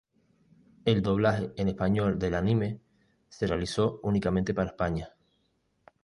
El doblaje en español del anime se realizó únicamente para España.